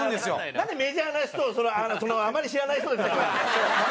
なんでメジャーな人をあまり知らない人で例えるの？